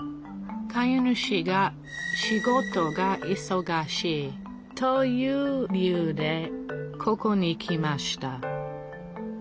飼い主が仕事がいそがしいという理由でここに来ました